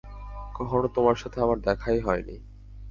কখনও তোমার সাথে আমার দেখায় হয়নি।